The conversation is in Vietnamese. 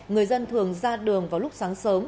người dân thường ra đường vào lúc sáng sớm